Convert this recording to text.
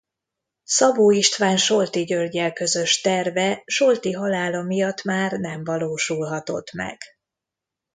Szabó István Solti Györggyel közös terve Solti halála miatt már nem valósulhatott meg.